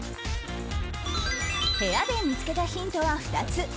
部屋で見つけたヒントは２つ。